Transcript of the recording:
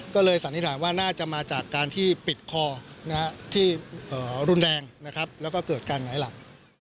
ก็เลยสันนิษฐานว่าน่าจะมาจากการที่ปิดคอที่รุนแรงนะครับแล้วก็เกิดการหงายหลัง